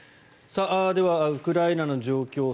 では、ウクライナの状況